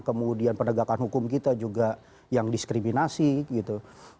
kemudian penegakan hukum kita juga yang diskriminasi gitu